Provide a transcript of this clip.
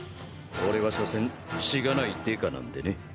俺はしょせんしがないデカなんでね。